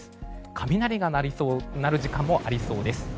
雷が鳴る時間もありそうです。